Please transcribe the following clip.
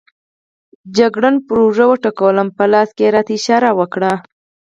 جګړن پر اوږه وټکولم، په لاس یې راته اشاره وکړه.